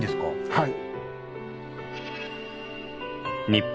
はい。